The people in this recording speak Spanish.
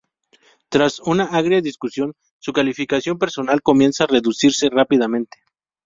Tras una agria discusión su calificación personal comienza a reducirse rápidamente.